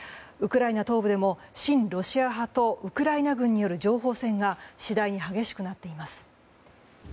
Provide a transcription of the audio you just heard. ウクライナ東部でも親ロシア派とウクライナ軍による情報戦が次第に激しくなっています。